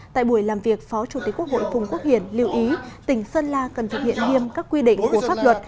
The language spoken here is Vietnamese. tại buổi làm việc phó chủ tịch quốc hội phùng quốc hiển lưu ý tỉnh sơn la cần thực hiện nghiêm các quy định của pháp luật